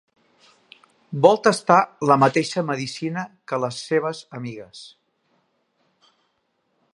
Vol tastar la mateixa medecina que les seves amigues.